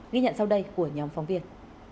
ghi nhận sau đây của nhóm phóng viên